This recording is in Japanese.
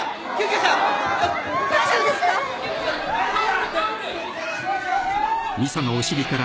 大丈夫ですか？